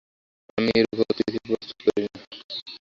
আমি নির্বোধ, কিছুই প্রস্তুত করি নাই।